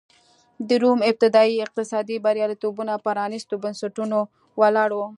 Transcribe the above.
د روم ابتدايي اقتصادي بریالیتوبونه پرانېستو بنسټونو ولاړ و.